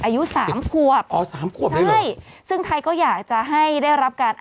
อายุสามขวบอ๋อสามขวบได้เลยใช่ซึ่งไทยก็อยากจะให้ได้รับการ